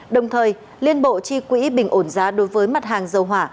đồng thời liên bộ chi quỹ bình ổn giá đối với mặt hàng dầu hỏa